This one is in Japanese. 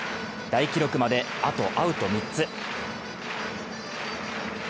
大記録まで、あとアウト３つ。